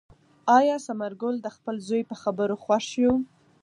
آیا ثمر ګل د خپل زوی په خبرو خوښ شو؟